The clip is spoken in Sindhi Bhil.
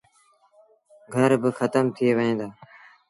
گھر با کتم ٿئي وهيݩ دآ۔